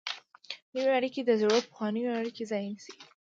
نوې اړیکې د زړو او پخوانیو اړیکو ځای نیسي.